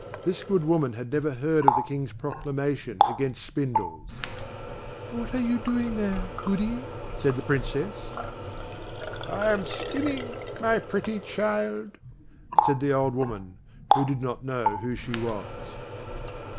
This good woman had never heard of the King's proclamation against spindles. "What are you doing there, Goody?" said the Princess. "I am spinning, my pretty child," said the old woman, who did not know who she was.